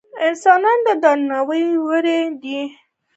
انسانان د درناوي وړ دي.